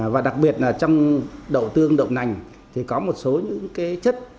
và đặc biệt là trong đậu tương đậu nành thì có một số những cái chất